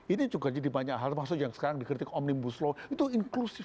ini juga jadi banyak hal maksudnya yang sekarang dikritik omnibus law itu inklusif